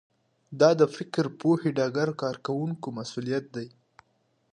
دا د فکر پوهې ډګر کارکوونکو مسوولیت دی